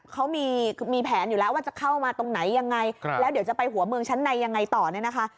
เขามีแผนอยู่แล้วว่าจะเข้ามาตรงไหนยังไงแล้วเดี๋ยวจะไปหัวเมืองชั้นในยังไงต่อเนี่ยนะคะ